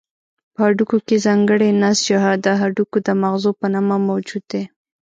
په هډوکو کې ځانګړی نسج د هډوکو د مغزو په نامه موجود دی.